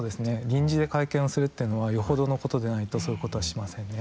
臨時で会見をするっていうのはよほどのことでないとそういうことはしませんね。